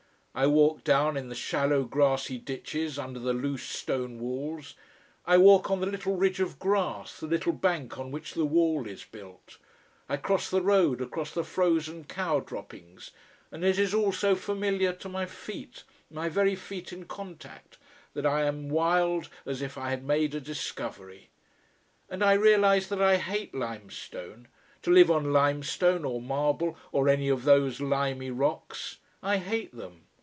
I walk down in the shallow grassy ditches under the loose stone walls, I walk on the little ridge of grass, the little bank on which the wall is built, I cross the road across the frozen cow droppings: and it is all so familiar to my feet, my very feet in contact, that I am wild as if I had made a discovery. And I realize that I hate lime stone, to live on lime stone or marble or any of those limey rocks. I hate them.